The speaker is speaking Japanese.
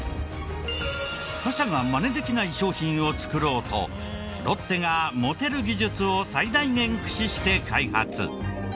他社がマネできない商品を作ろうとロッテが持てる技術を最大限駆使して開発。